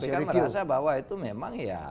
kpk merasa bahwa itu memang ya